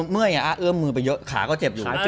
เมื่อยเอื้อมมือไปเยอะขาก็เจ็บอยู่